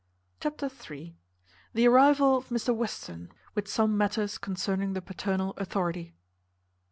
Chapter iii. The arrival of Mr Western, with some matters concerning the paternal authority.